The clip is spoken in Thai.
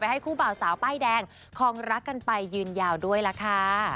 ให้คู่บ่าวสาวป้ายแดงคองรักกันไปยืนยาวด้วยล่ะค่ะ